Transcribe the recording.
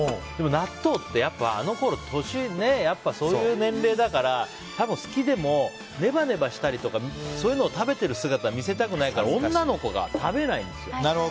でも、納豆ってやっぱりあのころそういう年齢だから多分、好きでもネバネバしたりとかそういうのを食べてる姿を見せたくないから女の子が食べないんですよ。